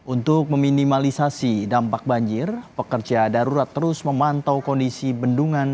untuk meminimalisasi dampak banjir pekerja darurat terus memantau kondisi bendungan